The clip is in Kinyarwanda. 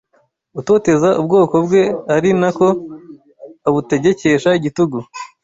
utoteza ubwoko bwe ari na ko abutegekesha igitugu